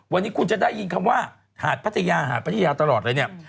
วันนี้คุณจะได้ยินคำว่าหาดพัทยาหาดพัทยาตลอดเลยเนี่ย